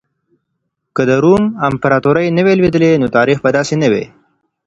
که د روم امپراطورۍ نه وای لوېدلې نو تاريخ به داسې نه وای.